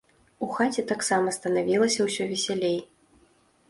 У хаце таксама станавілася ўсё весялей.